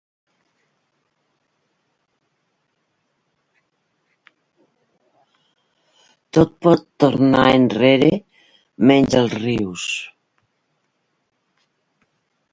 Tot pot tornar enrere menys els rius.